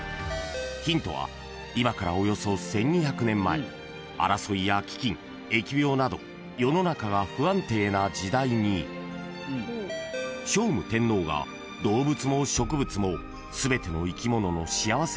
［ヒントは今からおよそ１，２００年前争いや飢饉疫病など世の中が不安定な時代に聖武天皇が動物も植物も］